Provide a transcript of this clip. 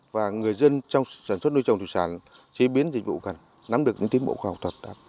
và người dân trong sản xuất nuôi trồng thủy sản chế biến dịch vụ cần nắm được những tiến bộ khoa học thật